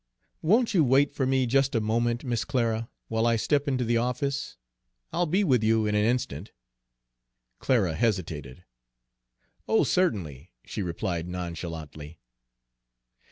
"Won't you wait for me just a moment, Miss Clara, while I step into the office? I'll be with you in an instant." Clara hesitated. "Oh, certainly," she replied nonchalantly.